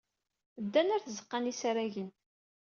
Ddan ɣer tzeɣɣa n yisaragen.